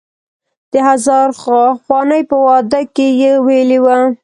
د هزار خوانې په واده کې یې ویلی و.